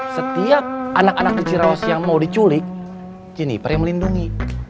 setiap anak anak di ciros yang mau diculik jeniper yang melindungi